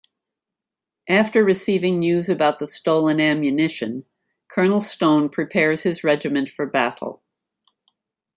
After receiving news about the stolen ammunition, Colonel Stone prepares his regiment for battle.